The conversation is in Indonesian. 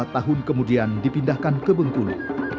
empat tahun kemudian dipindahkan ke bengkulu